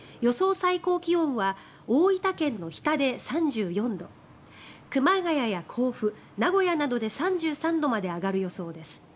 最高気温は大分県の日田で３４度熊谷や甲府、名古屋などで３３度まで上がる予想です。